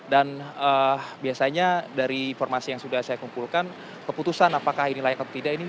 dan biasanya dari informasi yang sudah saya kumpulkan keputusan apakah ini layak atau tidak